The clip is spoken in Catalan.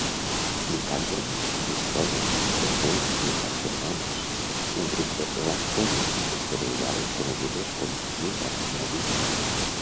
"Nicandra physalodes" conté nicandrenones, un grup de lactones esteroidal conegudes com "withanolide".